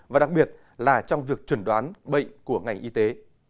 và đặc biệt là trong việc chuẩn đoán bệnh của ngành y tế